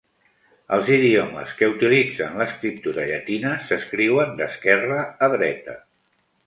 Els idiomes que utilitzen l'escriptura llatina s'escriuen d'esquerra a dreta.